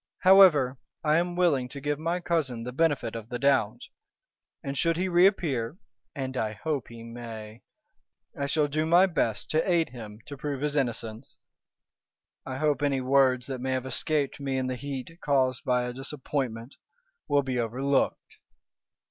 However, I am willing to give my cousin the benefit of the doubt, and should he reappear (and I hope he may) I shall do my best to aid him to prove his innocence. I hope any words that may have escaped me in the heat caused by a disappointment will be overlooked."